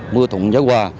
mưa thụng gió qua